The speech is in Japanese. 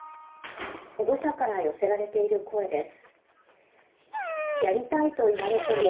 保護者から寄せられている声です。